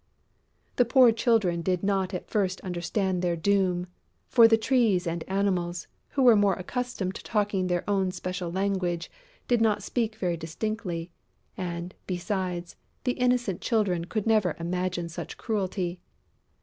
The poor Children did not at first understand their doom, for the Trees and Animals, who were more accustomed to talking their own special language, did not speak very distinctly; and, besides, the innocent Children could never imagine such cruelty!